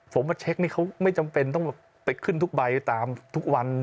ผมมาเช็คนี่เขาไม่จำเป็นต้องไปขึ้นทุกใบตามทุกวัน